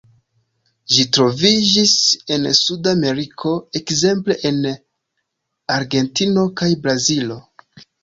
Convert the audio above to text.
Ĝi troviĝis en Suda Ameriko, ekzemple en Argentino kaj Brazilo.